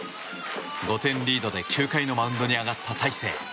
５点リードで９回のマウンドに上がった大勢。